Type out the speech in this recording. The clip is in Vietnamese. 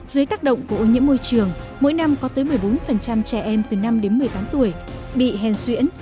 dưới tác động của ô nhiễm môi trường mỗi năm có tới một mươi bốn trẻ em từ năm đến một mươi tám tuổi bị hèn xuyễn